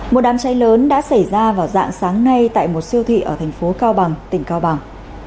một đám cháy lớn đã xảy ra vào dạng sáng nay tại một siêu thị ở thành phố cao bằng tỉnh cao bằng